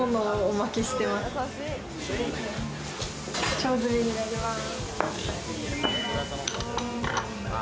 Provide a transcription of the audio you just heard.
腸詰になります。